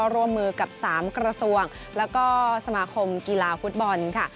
ร่วมมือกับ๓กระทรวงแล้วก็สมาคมกีฬาฟุตบอลค่ะ